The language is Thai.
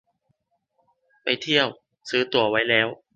ไปเที่ยว ซื้อตั๋วไว้แล้ว